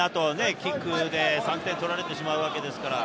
キックで３点取られてしまうわけですから。